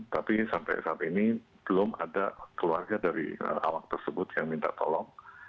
tapi sampai saat ini belum ada keluarga dari awak tersebut yang minta tolong